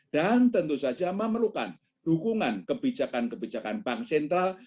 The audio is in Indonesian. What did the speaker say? dan tentu saja memerlukan dukungan kebijakan kebijakan bank sentral